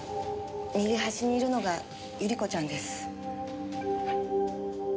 右端にいるのが百合子ちゃんです。